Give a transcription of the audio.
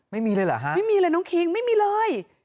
ไม่มีเลยเหรอฮะไม่มีเลยน้องคิงไม่มีเลย